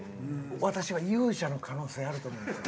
私は勇者の可能性あると思うんですよ。